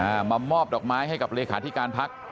อ่ามามอบดอกไม้ให้กับเลยคาที่การพักค่ะ